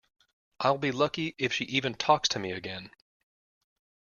I'll be lucky if she even talks to me again.